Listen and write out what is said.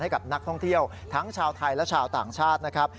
ให้กับนักท่องเที่ยวทั้งชาวไทยและชาวต่างชาตินะครับ